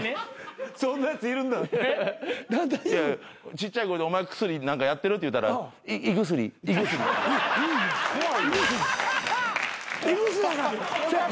ちっちゃい声で「お前薬何かやってる？」って言うたら「胃薬胃薬」胃薬やからセーフ。